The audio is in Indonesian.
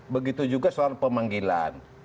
begitu juga soal pemanggilan